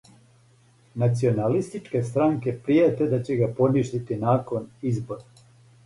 Националистичке странке пријете да ће га поништити након избора.